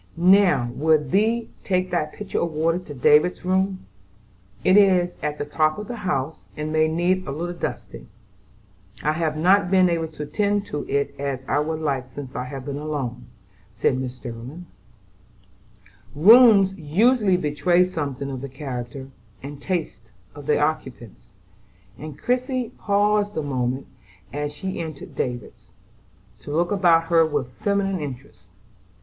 "Now, will thee take that pitcher of water to David's room? It is at the top of the house, and may need a little dusting. I have not been able to attend to it as I would like since I have been alone," said Mrs. Sterling. Rooms usually betray something of the character and tastes of their occupants, and Christie paused a moment as she entered David's, to look about her with feminine interest.